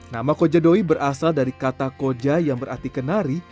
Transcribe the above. nama koja doy berasal dari kata koja yang berarti kenari